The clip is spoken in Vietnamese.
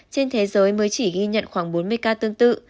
trên thế giới mới chỉ ghi nhận khoảng bốn mươi ca tương tự